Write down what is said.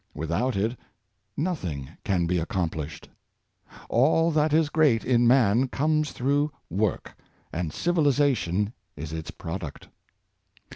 Without it nothing can be accomplished. All that is great in man comes through work, and civilization is its product.